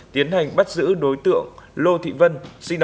tiến hành bắt giữ đối tượng lô thị vân sinh năm một nghìn chín trăm tám mươi